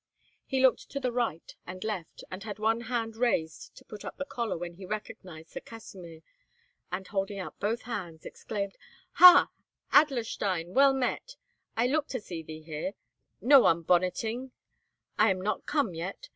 He looked to the right and left, and had one hand raised to put up the collar when he recognized Sir Kasimir, and, holding out both hands, exclaimed, "Ha, Adlerstein! well met! I looked to see thee here. No unbonneting; I am not come yet.